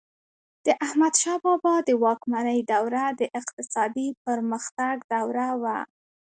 د احمدشاه بابا د واکمنۍ دوره د اقتصادي پرمختګ دوره وه.